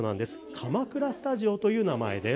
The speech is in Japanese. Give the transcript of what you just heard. かまくらスタジオという名前です。